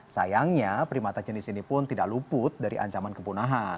sayangnya primata jenis ini pun tidak luput dari ancaman kepunahan